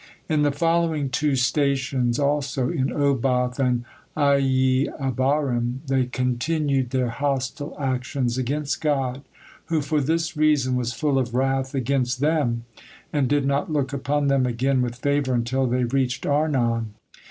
In the following two stations also, in Oboth and Iye abarim, they continued their hostile actions against God, who for this reason was full of wrath against them, and did not look upon them again with favor until they reached Arnon.